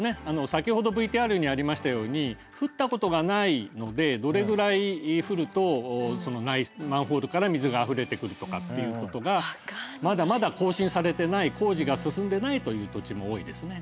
先ほどＶＴＲにありましたように降ったことがないのでどれぐらい降るとマンホールから水があふれてくるとかっていうことがまだまだ更新されてない工事が進んでないという土地も多いですね。